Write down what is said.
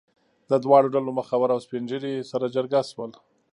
د دواړو ډلو مخور او سپین ږیري سره جرګه شول.